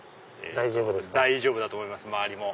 大丈夫だと思います周りも。